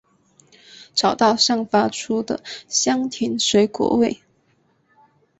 找到散发出的香甜水果味！